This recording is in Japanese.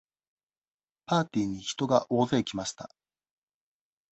パーティーに人が大勢来ました。